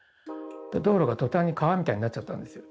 道路がとたんに川みたいになっちゃったんですよ。